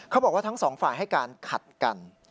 เขาบอกว่าทั้งสองฝ่ายให้การขัดกัน